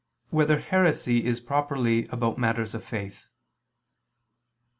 2] Whether Heresy Is Properly About Matters of Faith?